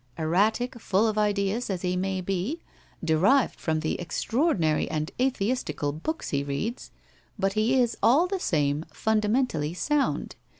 Erratic, full of ideas, as he may be, derived from the extraordinary and atheistical books he reads, but he is, all the same, fundamentally sound.